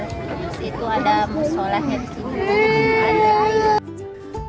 di situ ada musyolah yang di sini